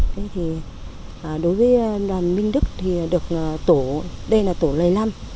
đấy thì đối với đoàn minh đức thì được tổ đây là tổ lầy lăm